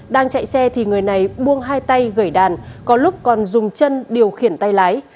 đang chạy xe thì người này buông hai tay gẩy đàn có lúc còn dùng chân điều khiển tay lái